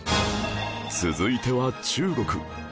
続いては中国